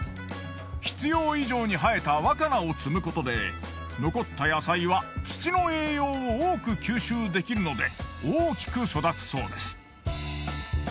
必要以上に生えた若菜を摘むことで残った野菜は土の栄養を多く吸収できるので大きく育つそうです。